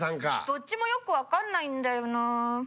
どっちもよくわかんないんだよな。